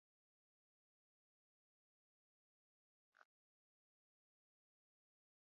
ویستم هەستم، لاقم لەدوو نەهات